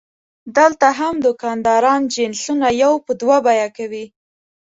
دلته هم دوکانداران جنسونه یو په دوه بیه کوي.